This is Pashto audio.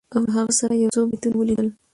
او له هغه سره یو څو بیتونه ولیدل